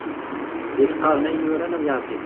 Yak qqaren ayen yuran ad iɛeddi.